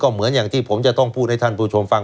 เหมือนอย่างที่ผมจะต้องพูดให้ท่านผู้ชมฟัง